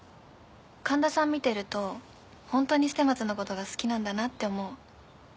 神田さん見てると本当に捨松の事が好きなんだなって思う。